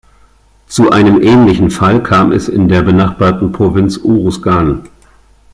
Zu einem ähnlichen Fall kam es in der benachbarten Provinz Urusgan.